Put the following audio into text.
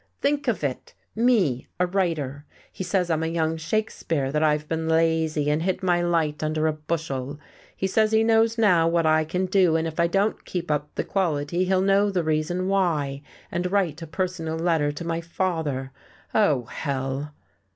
Think of it, me a writer! He says I'm a young Shakespeare, that I've been lazy and hid my light under a bushel! He says he knows now what I can do, and if I don't keep up the quality, he'll know the reason why, and write a personal letter to my father. Oh, hell!"